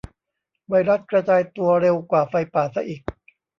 ไวรัสกระจายตัวเร็วกว่าไฟป่าซะอีก